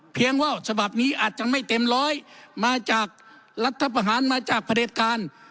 ว่าฉบับนี้อาจจะไม่เต็มร้อยมาจากรัฐประหารมาจากพระเด็จการ